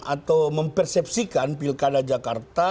atau mempersepsikan pilkada jakarta